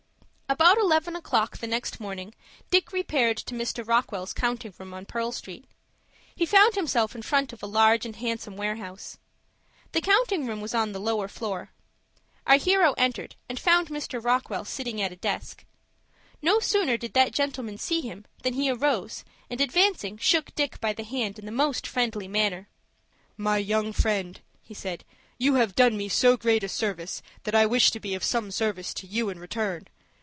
About eleven o'clock the next morning Dick repaired to Mr. Rockwell's counting room on Pearl Street. He found himself in front of a large and handsome warehouse. The counting room was on the lower floor. Our hero entered, and found Mr. Rockwell sitting at a desk. No sooner did that gentleman see him than he arose, and, advancing, shook Dick by the hand in the most friendly manner. "My young friend," he said, "you have done me so great service that I wish to be of some service to you in return.